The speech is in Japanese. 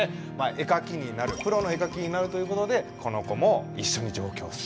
絵描きになるプロの絵描きになるということでこの子も一緒に上京する。